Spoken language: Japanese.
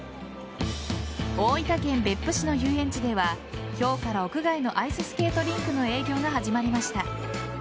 大分県別府市の遊園地では今日から屋外のアイススケートリンクの営業が始まりました。